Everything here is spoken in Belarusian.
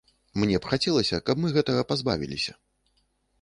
Мне б хацелася, каб мы гэтага пазбавіліся.